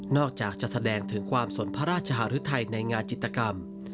อกจากจะแสดงถึงความสนพระราชหารุทัยในงานจิตกรรม